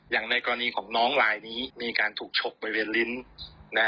อย่างในกรณีของน้องลายนี้มีการถูกฉกบริเวณลิ้น